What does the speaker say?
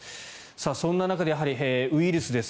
そんな中でウイルスです。